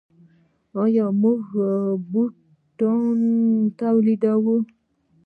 آیا موږ بوټان تولیدوو؟